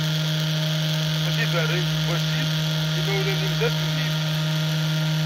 A tiberrint n wasif, imawlan-im d at nnif.